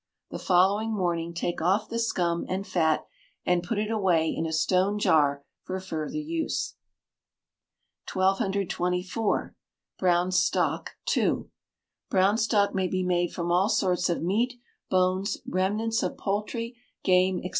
The following morning take off the scum and fat, and put it away in a stone jar for further use. 1224. Brown Stock (2). Brown stock may be made from all sorts of meat, bones, remnants of poultry, game, &c.